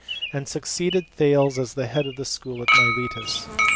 and succeeded Thales as head of the school at Miletus.